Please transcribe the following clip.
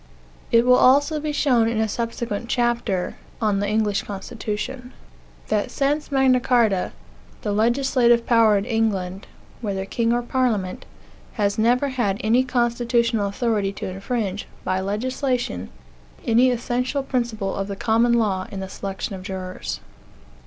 It will also be shown, in a subsequent chapter, that since Magna Carta, the legislative power in England (whether king or parliament) has never had any constitutional authority to infringe, by legislation, any essential principle of the common law in the selection of jurors.